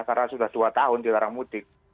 karena sudah dua tahun dilarang multi grenade